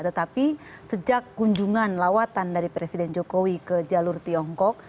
tetapi sejak kunjungan lawatan dari presiden jokowi ke jalur tiongkok